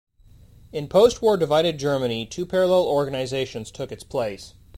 In postwar divided Germany, two parallel organizations took its place.